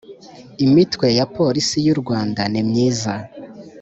imitwe ya polisi y u rwanda ni myiza